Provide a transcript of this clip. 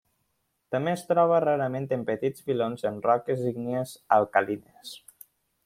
També es troba rarament en petits filons en roques ígnies alcalines.